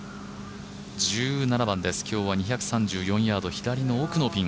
１７番、今日は２３４ヤード左の奥のピン。